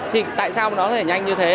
thì tại sao nó có thể nhanh như thế